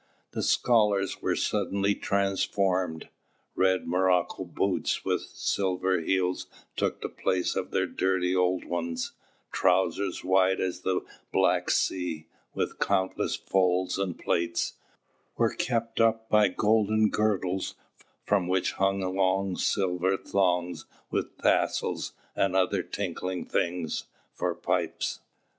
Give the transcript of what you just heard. The scholars were suddenly transformed. Red morocco boots with silver heels took the place of their dirty old ones; trousers wide as the Black Sea, with countless folds and plaits, were kept up by golden girdles from which hung long slender thongs, with tassles and other tinkling things, for pipes.